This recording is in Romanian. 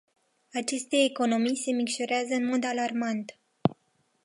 Aceste economii se micșorează în mod alarmant.